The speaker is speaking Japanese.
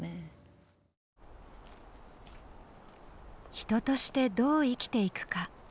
人としてどう生きていくか。